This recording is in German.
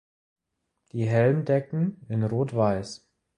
Die Helmdecken in rot–weiß.